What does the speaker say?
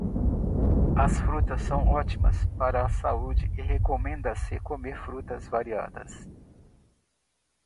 As frutas são ótimas para a saúde e recomenda-se comer frutas variadas.